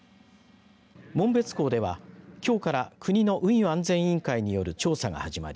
紋別港ではきょうから国の運輸安全委員会による調査が始まり